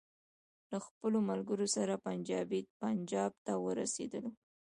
له خپلو ملګرو سره پنجاب ته ورسېدلو.